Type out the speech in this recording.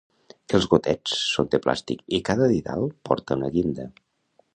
Els gotets són de plàstic i cada didal porta una guinda.